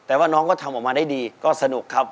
แต่ว่าน้องก็ทำออกมาได้ดีก็สนุกครับ